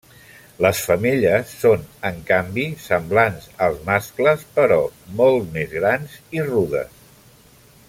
Les femelles són, en canvi, semblants als mascles però molt més grans i rudes.